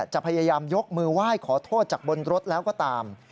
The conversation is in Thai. จะพยายามยกมือไหว้ขอโทษจากบนรถแล้วก็ตาม